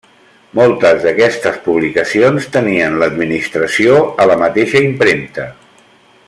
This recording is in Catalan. Moltes d'aquestes publicacions tenien l'administració a la mateixa impremta.